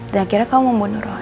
dan akhirnya kamu membunuh roy